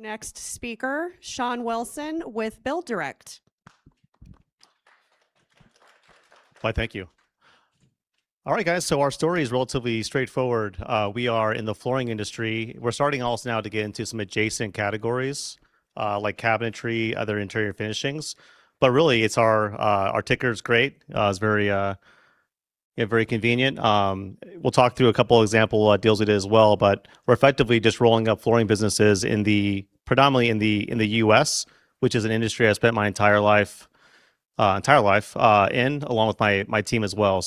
Next speaker, Shawn Wilson with BuildDirect.com Technologies. Why, thank you. All right, guys. Our story is relatively straightforward. We are in the flooring industry. We're starting also now to get into some adjacent categories, like cabinetry, other interior finishings. Really, our ticker is great. It's very convenient. We'll talk through a couple example deals we did as well, but we're effectively just rolling up flooring businesses predominantly in the U.S., which is an industry I spent my entire life in, along with my team as well.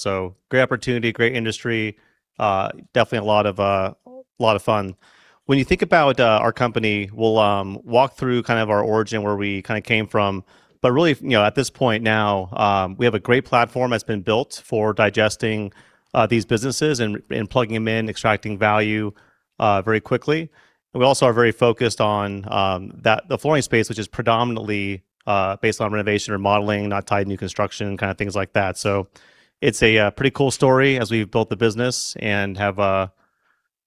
Great opportunity, great industry. Definitely a lot of fun. When you think about our company, we'll walk through our origin, where we came from. Really, at this point now, we have a great platform that's been built for digesting these businesses and plugging them in, extracting value very quickly. We also are very focused on the flooring space, which is predominantly based on renovation, remodeling, not tied to new construction, things like that. It's a pretty cool story as we've built the business and have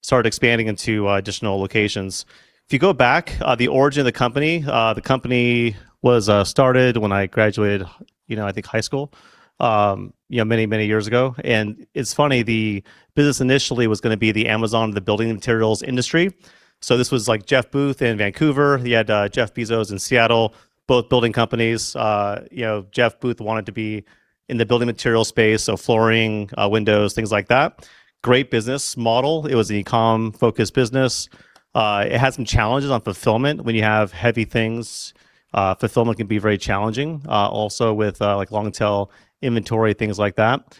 started expanding into additional locations. If you go back, the origin of the company, the company was started when I graduated, I think high school, many years ago. It's funny, the business initially was going to be the Amazon of the building materials industry. This was like Jeff Booth in Vancouver. You had Jeff Bezos in Seattle, both building companies. Jeff Booth wanted to be in the building materials space, so flooring, windows, things like that. Great business model. It was an e-com focused business. It had some challenges on fulfillment. When you have heavy things, fulfillment can be very challenging. Also with long tail inventory, things like that.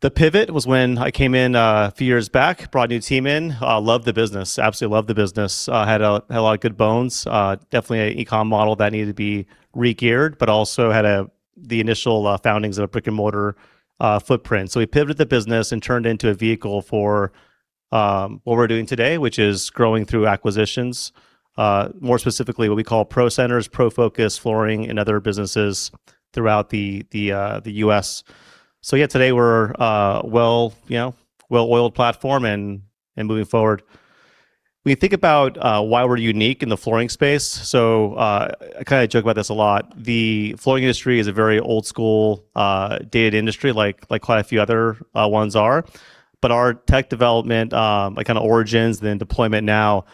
The pivot was when I came in a few years back, brought a new team in. Loved the business, absolutely loved the business. Had a lot of good bones. Definitely an e-com model that needed to be re-geared, but also had the initial foundings of a brick-and-mortar footprint. We pivoted the business and turned it into a vehicle for what we're doing today, which is growing through acquisitions. More specifically what we call Pro Centers, pro focus flooring, and other businesses throughout the U.S. Yeah, today we're a well-oiled platform and moving forward. When you think about why we're unique in the flooring space, I joke about this a lot. The flooring industry is a very old school dated industry, like quite a few other ones are. Our tech development, origins, then deployment now,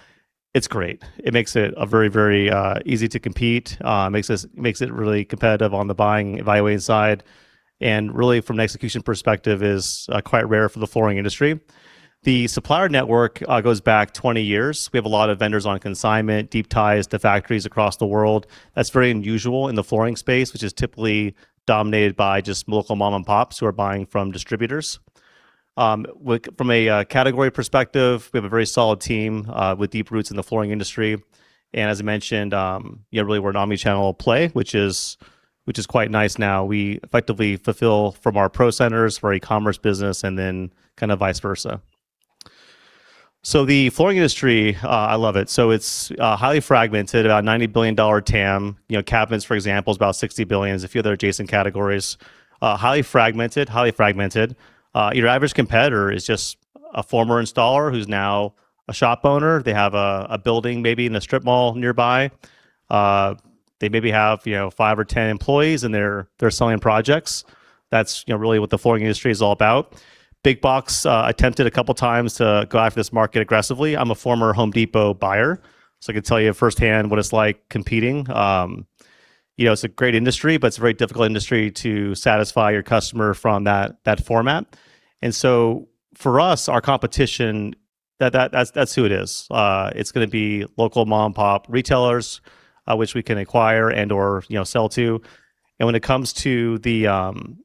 it's great. It makes it very easy to compete, makes it really competitive on the buying and evaluating side. Really from an execution perspective, is quite rare for the flooring industry. The supplier network goes back 20 years. We have a lot of vendors on consignment, deep ties to factories across the world. That's very unusual in the flooring space, which is typically dominated by just local mom and pops who are buying from distributors. From a category perspective, we have a very solid team with deep roots in the flooring industry. As I mentioned, really we're an omnichannel play, which is quite nice now. We effectively fulfill from our Pro Centers for our e-commerce business and then vice versa. The flooring industry, I love it. It's highly fragmented, about a 90 billion dollar TAM. Cabinets, for example, is about 60 billion. There's a few other adjacent categories. Highly fragmented. Your average competitor is just a former installer who's now a shop owner. They have a building maybe in a strip mall nearby. They maybe have five or 10 employees and they're selling projects. That's really what the flooring industry is all about. Big Box attempted a couple times to go after this market aggressively. I'm a former Home Depot buyer, I can tell you firsthand what it's like competing. It's a great industry, but it's a very difficult industry to satisfy your customer from that format. For us, our competition, that's who it is. It's going to be local mom and pop retailers, which we can acquire and/or sell to. When it comes to just the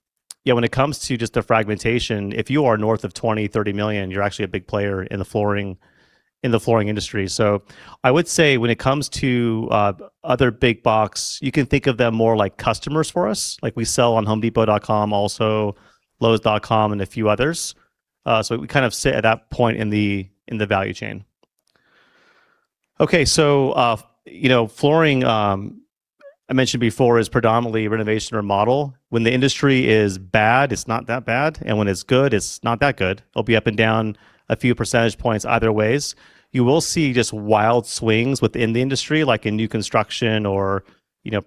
fragmentation, if you are north of 20 million, 30 million, you're actually a big player in the flooring industry. I would say when it comes to other Big Box, you can think of them more like customers for us. We sell on homedepot.com, also lowes.com and a few others. We sit at that point in the value chain. Flooring, I mentioned before, is predominantly renovation or remodel. When the industry is bad, it's not that bad, when it's good, it's not that good. It'll be up and down a few percentage points either ways. You will see just wild swings within the industry, like in new construction or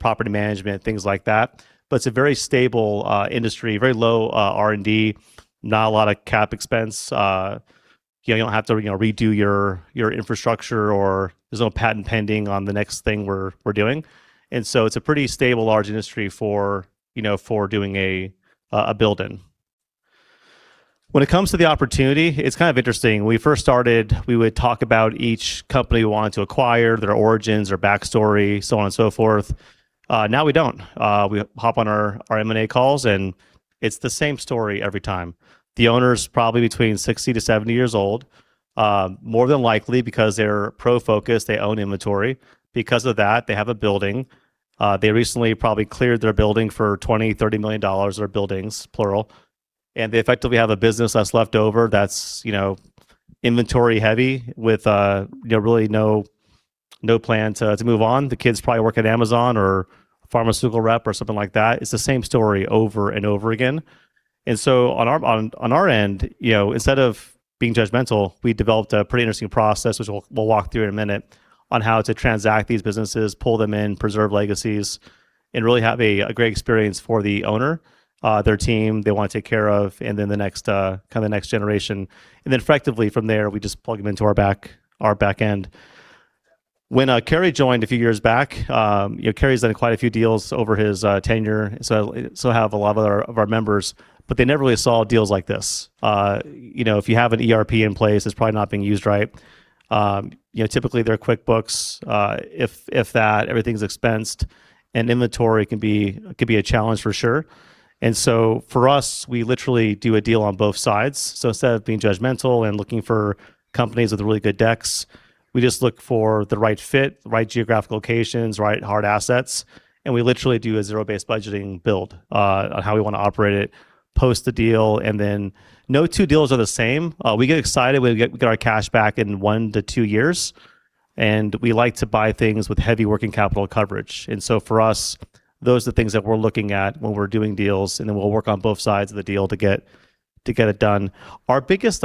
property management, things like that. It's a very stable industry, very low R&D, not a lot of cap expense. You don't have to redo your infrastructure, there's no patent pending on the next thing we're doing. It's a pretty stable, large industry for doing a build-in. When it comes to the opportunity, it's interesting. When we first started, we would talk about each company we wanted to acquire, their origins, their backstory, so on and so forth. Now we don't. We hop on our M&A calls, it's the same story every time. The owner's probably between 60-70 years old. More than likely, because they're pro-focused, they own inventory. Because of that, they have a building. They recently probably cleared their building for 20 million, 30 million dollars, or buildings, plural. They effectively have a business that's left over, that's inventory heavy with really no plan to move on. The kids probably work at Amazon or pharmaceutical rep or something like that. It's the same story over and over again. On our end, instead of being judgmental, we developed a pretty interesting process, which we'll walk through in a minute on how to transact these businesses, pull them in, preserve legacies, and really have a great experience for the owner, their team they want to take care of, and then the next generation. Effectively from there, we just plug them into our back end. When Kerry joined a few years back, Kerry's done quite a few deals over his tenure, so have a lot of our members, they never really saw deals like this. If you have an ERP in place, it's probably not being used right. Typically, they're QuickBooks, if that. Everything's expensed inventory can be a challenge for sure. For us, we literally do a deal on both sides. Instead of being judgmental and looking for companies with really good decks, we just look for the right fit, the right geographic locations, right hard assets, and we literally do a zero-based budgeting build on how we want to operate it, post the deal, and then no two deals are the same. We get excited. We get our cash back in one to two years, and we like to buy things with heavy working capital coverage. For us, those are the things that we're looking at when we're doing deals, and then we'll work on both sides of the deal to get it done. Our biggest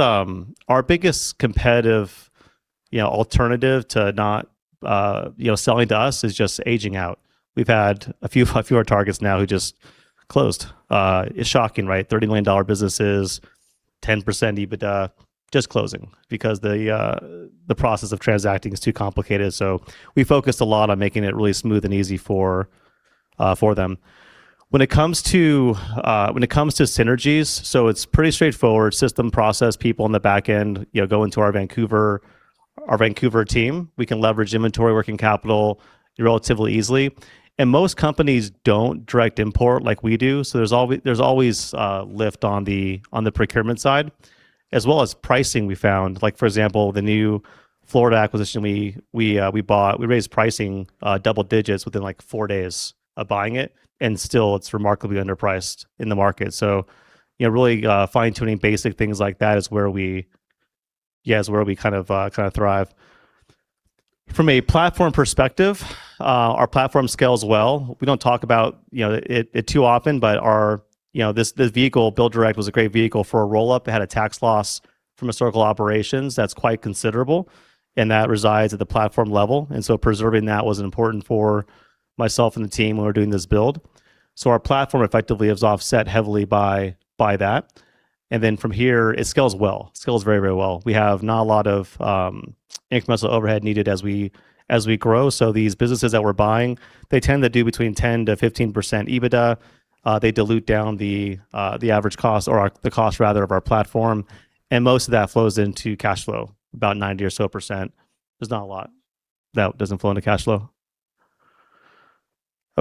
competitive alternative to not selling to us is just aging out. We've had a few targets now who just closed. It's shocking, right? 30 million dollar businesses, 10% EBITDA, just closing because the process of transacting is too complicated. We focused a lot on making it really smooth and easy for them. When it comes to synergies, it's pretty straightforward. System, process, people on the back end go into our Vancouver team. We can leverage inventory working capital relatively easily. Most companies don't direct import like we do, so there's always lift on the procurement side as well as pricing, we found. Like for example, the new Florida acquisition we bought, we raised pricing double digits within four days of buying it, and still it's remarkably underpriced in the market. Really fine-tuning basic things like that is where we kind of thrive. From a platform perspective, our platform scales well. We don't talk about it too often, but this vehicle, BuildDirect, was a great vehicle for a roll-up. It had a tax loss from historical operations that's quite considerable and that resides at the platform level. Preserving that was important for myself and the team when we're doing this build. Our platform effectively is offset heavily by that. From here, it scales well. Scales very, very well. We have not a lot of incremental overhead needed as we grow. These businesses that we're buying, they tend to do between 10%-15% EBITDA. They dilute down the average cost or the cost, rather, of our platform, and most of that flows into cash flow, about 90% or so. There's not a lot that doesn't flow into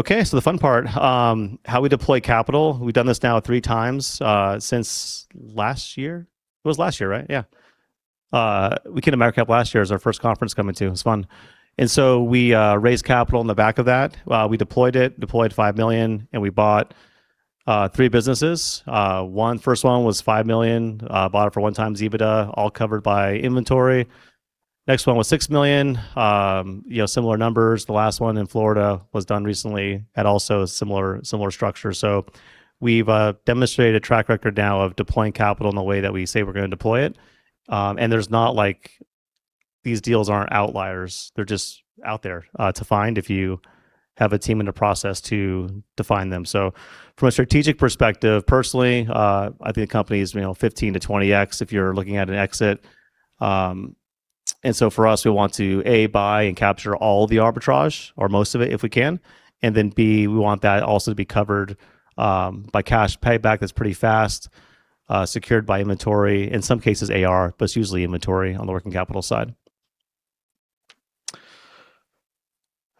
cash flow. The fun part, how we deploy capital. We've done this now three times since last year. It was last year, right? Yeah. We came to MicroCap last year. It was our first conference coming to. It was fun. We raised capital on the back of that. We deployed it, deployed 5 million, and we bought three businesses. First one was 5 million. Bought it for one times EBITDA, all covered by inventory. Next one was 6 million. Similar numbers. The last one in Florida was done recently at also similar structure. We've demonstrated a track record now of deploying capital in the way that we say we're going to deploy it. There's not like these deals aren't outliers. They're just out there to find if you have a team and a process to find them. From a strategic perspective, personally, I think a company is 15x-20x if you're looking at an exit. For us, we want to, A, buy and capture all the arbitrage or most of it if we can, and then, B, we want that also to be covered by cash paid back that's pretty fast, secured by inventory, in some cases AR, but it's usually inventory on the working capital side.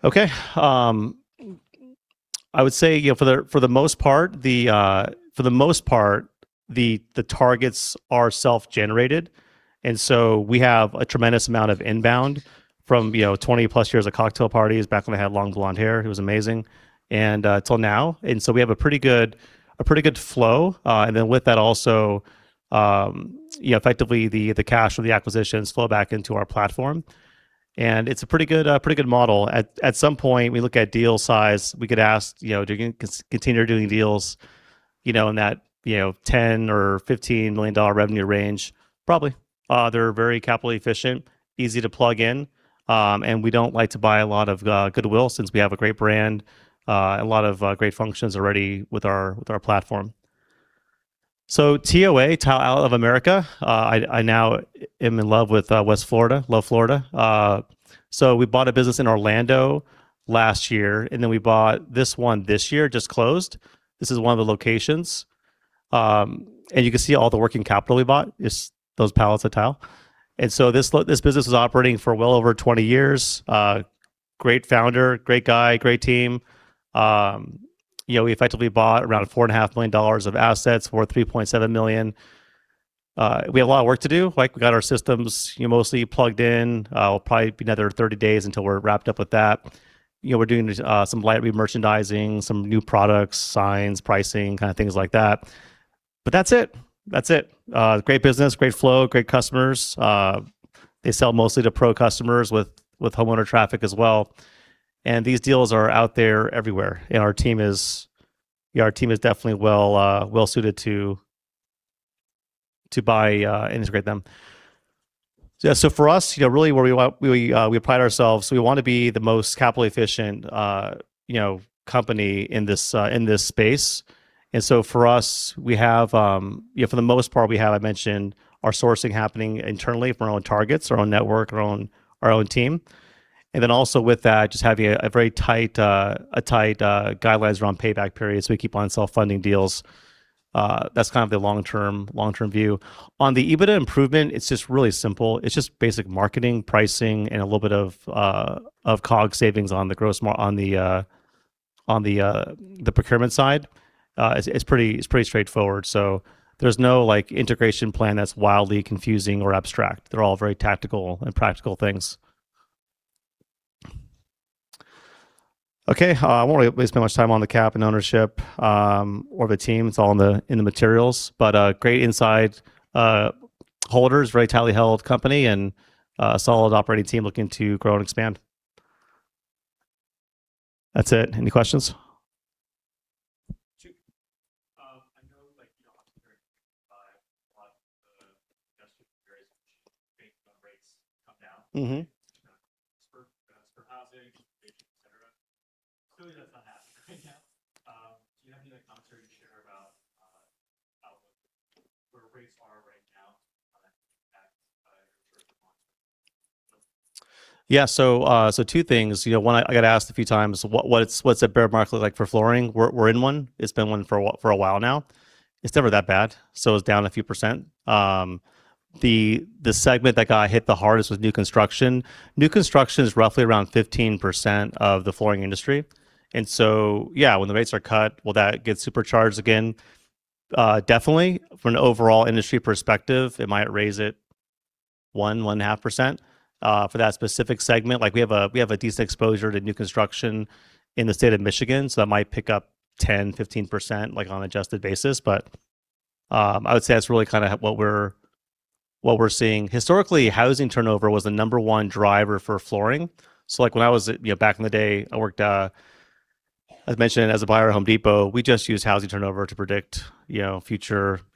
Okay. I would say, for the most part, the targets are self-generated. We have a tremendous amount of inbound from 20 plus years of cocktail parties back when I had long blonde hair, it was amazing, and till now. We have a pretty good flow. With that also, effectively the cash of the acquisitions flow back into our platform, and it's a pretty good model. At some point, we look at deal size. We get asked, "Do you continue doing deals in that 10 million or 15 million dollar revenue range?" Probably. They're very capital efficient, easy to plug in. We don't like to buy a lot of goodwill since we have a great brand, a lot of great functions already with our platform. TOA, Tile Outlets of America. I now am in love with West Florida. Love Florida. We bought a business in Orlando last year, and then we bought this one this year, just closed. This is one of the locations. You can see all the working capital we bought is those pallets of tile. This business is operating for well over 20 years. Great founder, great guy, great team. We effectively bought around 4.5 million dollars of assets for 3.7 million. We have a lot of work to do. We got our systems mostly plugged in. It will probably be another 30 days until we're wrapped up with that. We're doing some light remerchandising, some new products, signs, pricing, kind of things like that. That's it. That's it. Great business, great flow, great customers. They sell mostly to pro customers with homeowner traffic as well. These deals are out there everywhere, and our team is definitely well-suited to buy and integrate them. For us, really where we pride ourselves, we want to be the most capital-efficient company in this space. For us, for the most part, we have, I mentioned, our sourcing happening internally from our own targets, our own network, our own team. With that also, just having a very tight guidelines around payback periods, so we keep on self-funding deals. That's the long-term view. On the EBITDA improvement, it's just really simple. It's just basic marketing, pricing, and a little bit of cog savings on the procurement side. It's pretty straightforward. There's no integration plan that's wildly confusing or abstract. They're all very tactical and practical things. Okay. I won't really spend much time on the cap and ownership, or the team. It's all in the materials, but great inside holders, very tightly held company, and a solid operating team looking to grow and expand. That's it. Any questions? Two. I know a lot of the industrial rates come down for housing, et cetera. Clearly, that's not happening right now. Do you have any commentary to share about where rates are right now and how that impacts short term? Yeah. Two things. One, I got asked a few times, what's a bear market look like for flooring? We're in one. It's been one for a while now. It's never that bad, so it's down a few %. The segment that got hit the hardest was new construction. New construction is roughly around 15% of the flooring industry. Yeah, when the rates are cut, will that get supercharged again? Definitely. From an overall industry perspective, it might raise it 1%,1.5% for that specific segment. We have a decent exposure to new construction in the state of Michigan, so that might pick up 10%, 15%, on an adjusted basis. I would say that's really what we're seeing. Historically, housing turnover was the number one driver for flooring. Back in the day, I worked, as I mentioned, as a buyer at The Home Depot, we just used housing turnover to predict future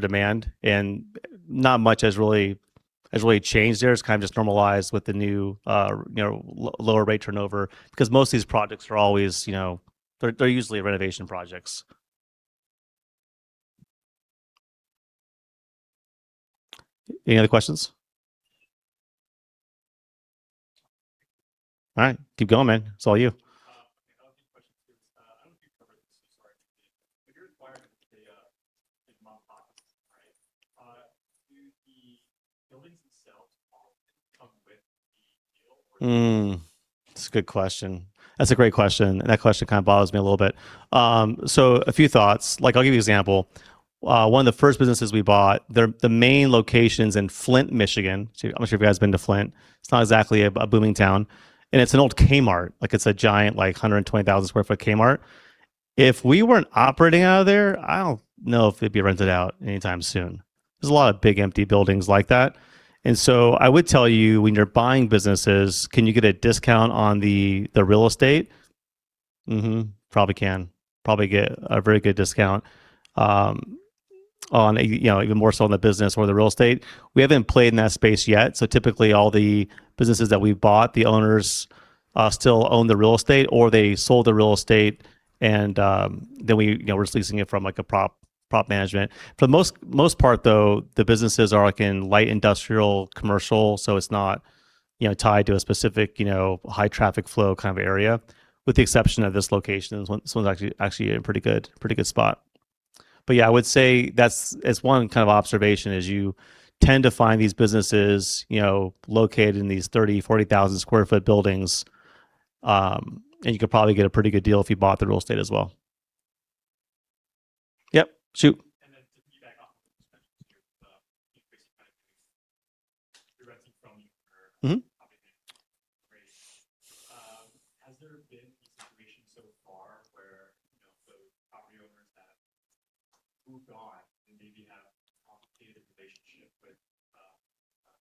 demand, and not much has really changed there. It's just normalized with the new lower rate turnover, because most of these projects, they're usually renovation projects. Any other questions? All right. Keep going, man. It's all you. Okay. I have a few questions here. I don't think we've covered this, so sorry if we did. When you're acquiring the mom and pops, do the buildings themselves often come with the deal? That's a good question. That's a great question, and that question bothers me a little bit. A few thoughts. I'll give you example. One of the first businesses we bought, the main location's in Flint, Michigan. I'm not sure if you guys been to Flint. It's not exactly a booming town, and it's an old Kmart. It's a giant, 120,000 sq ft Kmart. If we weren't operating out of there, I don't know if it'd be rented out anytime soon. There's a lot of big empty buildings like that. I would tell you, when you're buying businesses, can you get a discount on the real estate? Probably can. Probably get a very good discount, even more so on the business more than real estate. We haven't played in that space yet, so typically all the businesses that we've bought, the owners still own the real estate, or they sold the real estate and then we're leasing it from a prop management. For the most part, though, the businesses are in light industrial, commercial. It's not tied to a specific high traffic flow area, with the exception of this location. This one's actually in a pretty good spot. Yeah, I would say, as one observation is you tend to find these businesses located in these 30,000-40,000 sq ft buildings. You could probably get a pretty good deal if you bought the real estate as well. Yep. Shoot. To piggyback off of what you mentioned here with increasing kind of rents directly from the owner. Has there been any situation so far where the property owners have moved on and maybe have a complicated relationship with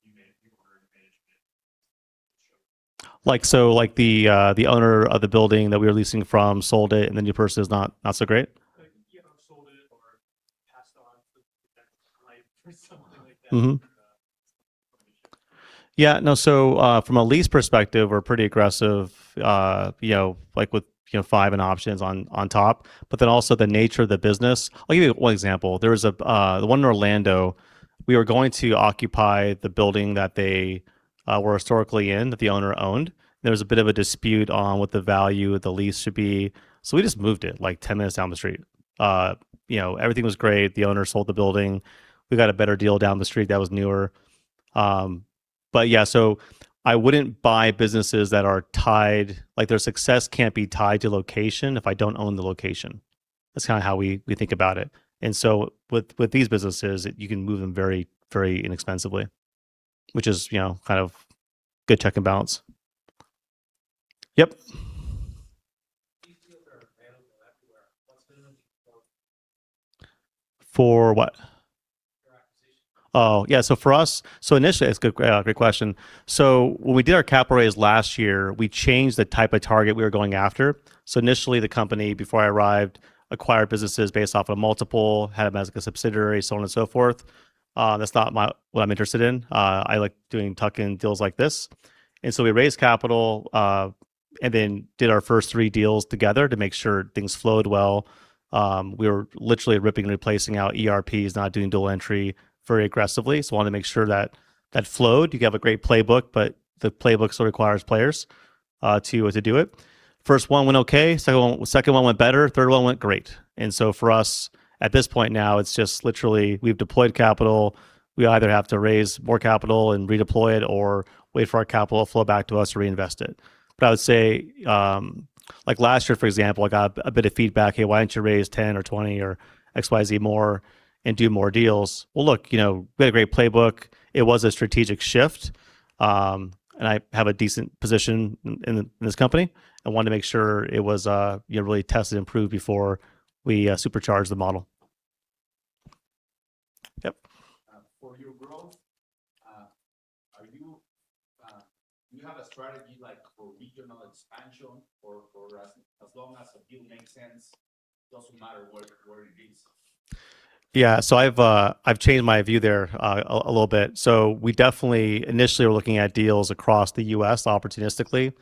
new owner management The owner of the building that we were leasing from sold it, and the new person is not so great? Yeah. Sold it or passed on to the next of kin or something like that. Yeah. From a lease perspective, we're pretty aggressive with five-and options on top, also the nature of the business. I'll give you one example. The one in Orlando, we were going to occupy the building that they were historically in, that the owner owned, there was a bit of a dispute on what the value of the lease should be. We just moved it 10 minutes down the street. Everything was great. The owner sold the building. We got a better deal down the street that was newer. I wouldn't buy businesses that their success can't be tied to location if I don't own the location. That's how we think about it. With these businesses, you can move them very inexpensively, which is good check and balance. Yep For what? Your acquisition. Oh, yeah. That's a great question. When we did our cap raise last year, we changed the type of target we were going after. Initially, the company, before I arrived, acquired businesses based off of multiple, had them as a subsidiary, so on and so forth. That's not what I'm interested in. I like doing tuck-in deals like this. We raised capital, and then did our first three deals together to make sure things flowed well. We were literally ripping and replacing out ERPs, not doing dual entry very aggressively, so wanted to make sure that that flowed. You have a great playbook, but the playbook still requires players to do it. First one went okay, second one went better, third one went great. For us, at this point now, it's just literally, we've deployed capital, we either have to raise more capital and redeploy it or wait for our capital to flow back to us to reinvest it. I would say, like last year, for example, I got a bit of feedback, "Hey, why don't you raise 10 or 20 or X, Y, Z more and do more deals?" Well, look, we had a great playbook. It was a strategic shift. I have a decent position in this company and wanted to make sure it was really tested and proved before we supercharged the model. Yep. For your growth, do you have a strategy like for regional expansion or for as long as a deal makes sense, it doesn't matter where it is? Yeah. I've changed my view there a little bit. We definitely initially were looking at deals across the U.S. opportunistically.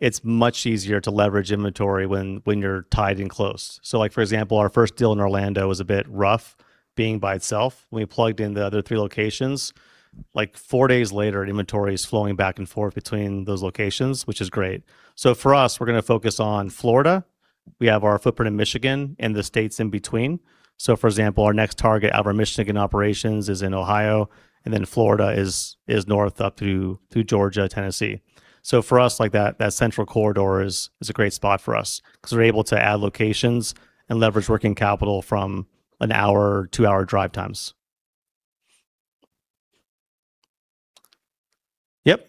It's much easier to leverage inventory when you're tied in close. Like, for example, our first deal in Orlando was a bit rough being by itself. When we plugged in the other three locations, like four days later, inventory is flowing back and forth between those locations, which is great. For us, we're going to focus on Florida. We have our footprint in Michigan and the states in between. For example, our next target out of our Michigan operations is in Ohio, and then Florida is north up through Georgia, Tennessee. For us, that central corridor is a great spot for us because we're able to add locations and leverage working capital from an hour to two-hour drive times. Yep.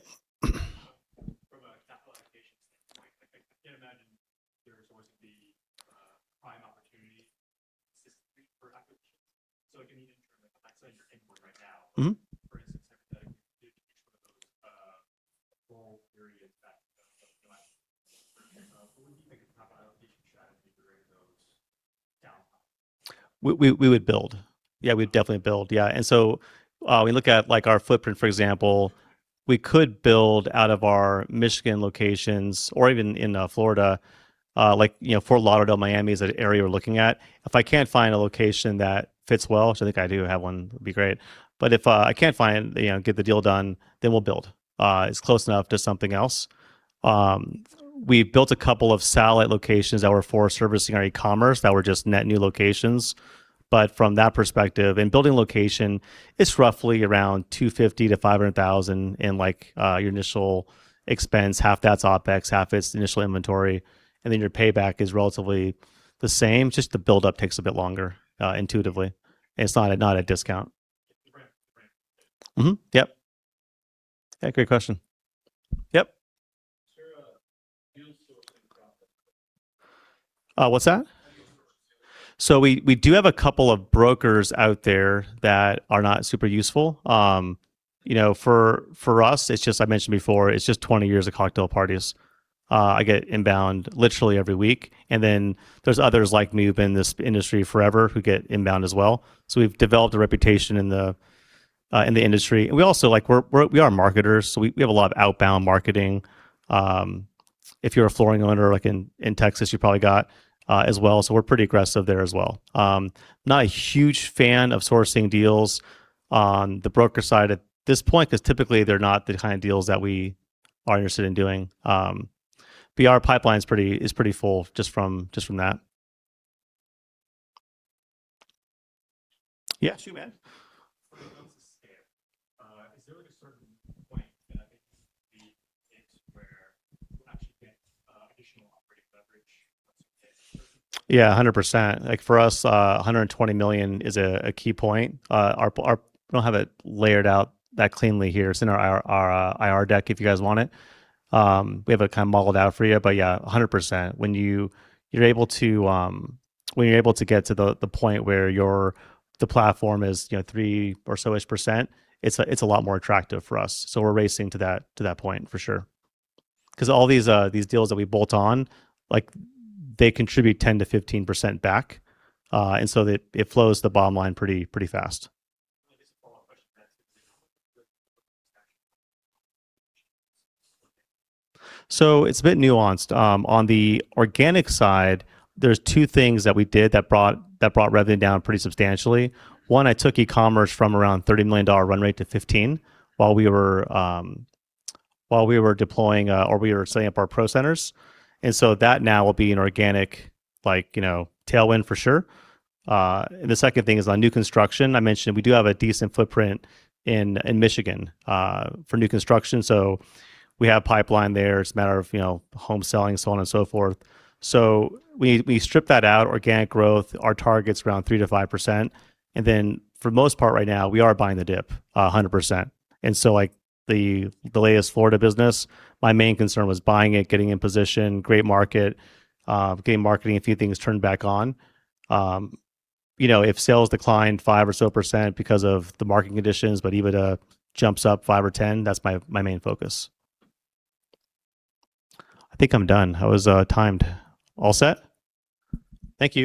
From a capitalization standpoint, like I can't imagine there's always going to be a prime opportunity consistently for acquisitions. Like you mentioned, let's say you're thinking right now for instance, every time you did each one of those periods back when you got. What do you think of the top allocation strategy during those downtime? We would build. Yeah, we'd definitely build, yeah. We look at our footprint, for example. We could build out of our Michigan locations or even in Florida. Fort Lauderdale, Miami is an area we're looking at. If I can't find a location that fits well, which I think I do have one, it'd be great. If I can't find, get the deal done, then we'll build. It's close enough to something else. We built a couple of satellite locations that were for servicing our e-commerce that were just net new locations. From that perspective, in building location, it's roughly around 250,000 to 500,000 in your initial expense. Half that's OpEx, half is initial inventory, and then your payback is relatively the same. Just the buildup takes a bit longer, intuitively, and it's not at discount. Right. Mm-hmm. Yep. Yeah, great question. Yep. Is there a deal sourcing problem? What's that? How do you source deals? We do have a couple of brokers out there that are not super useful. For us, it's just, I mentioned before, it's just 20 years of cocktail parties. I get inbound literally every week. There's others like me who've been in this industry forever who get inbound as well. We've developed a reputation in the industry. We also are marketers, so we have a lot of outbound marketing. If you're a flooring owner, like in Texas, you probably got as well. We're pretty aggressive there as well. Not a huge fan of sourcing deals on the broker side at this point, because typically they're not the kind of deals that we are interested in doing. Our pipeline is pretty full just from that. Yeah. To that end, For the purpose of scale, is there a certain point that I think would be it where you actually get additional operating leverage once you hit a certain Yeah, 100%. Like for us, 120 million is a key point. We don't have it layered out that cleanly here. It's in our IR deck if you guys want it. We have it kind of modeled out for you. Yeah, 100%. When you're able to get to the point where the platform is 3% or so-ish %, it's a lot more attractive for us. We're racing to that point, for sure. Because all these deals that we bolt on, they contribute 10%-15% back. It flows the bottom line pretty fast. Just a follow-up question to that. It's a bit nuanced. On the organic side, there's two things that we did that brought revenue down pretty substantially. One, I took e-commerce from around 30 million dollar run rate to 15 million while we were deploying, or we were setting up our Pro Centers. That now will be an organic tailwind for sure. The second thing is on new construction. I mentioned we do have a decent footprint in Michigan for new construction, so we have pipeline there. It's a matter of home selling, so on and so forth. We strip that out, organic growth, our target's around 3%-5%. For the most part right now, we are buying the dip, 100%. The latest Florida business, my main concern was buying it, getting in position, great market, getting marketing, a few things turned back on. If sales declined 5% or so percent because of the market conditions, but EBITDA jumps up 5% or 10%, that's my main focus. I think I'm done. How was timed? All set? Thank you.